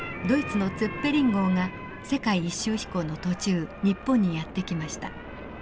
ドイツのツェッペリン号が世界一周飛行の途中日本にやって来ました。